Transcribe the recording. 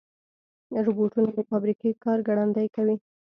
روبوټونه د فابریکې کار ګړندي کوي.